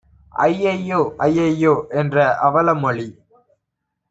ஐயையோ! ஐயையோ! என்ற அவலமொழி